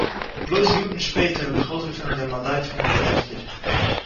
בלויז יאָרן שפּעטער האָב איך אויסגעפונען דעם באַדייט פון אירע ווערטער